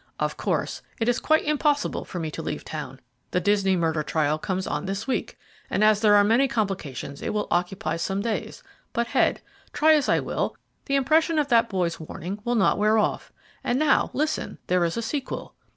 Of course, it is quite impossible for me to leave town. The Disney murder trial comes on this week, and as there are many complications it will occupy some days; but, Head, try as I will, the impression of that boy's warning will not wear off; and now, listen, there is a sequel.